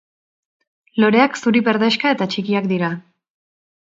Loreak zuri-berdexka eta txikiak dira.